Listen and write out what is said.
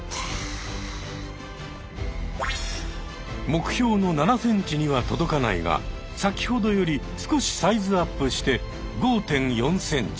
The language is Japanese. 目標の７ｃｍには届かないがさきほどより少しサイズアップして５．４ｃｍ。